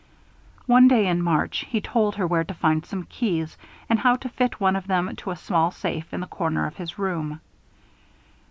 One day, in March, he told her where to find some keys and how to fit one of them to a small safe in the corner of his room.